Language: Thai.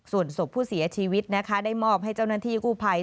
ส่วนศพผู้เสียชีวิตนะคะได้มอบให้เจ้าหน้าที่กู้ภัย